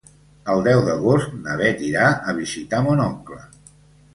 El deu d'agost na Beth irà a visitar mon oncle.